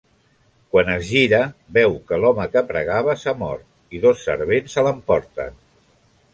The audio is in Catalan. Quan es gira veu que l'home que pregava s'ha mort i dos servents se l'emporten.